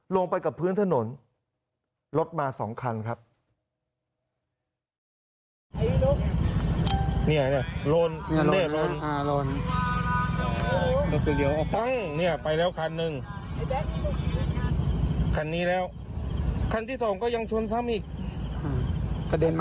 ลงไปกับพื้นถนนรถมา๒คันครับ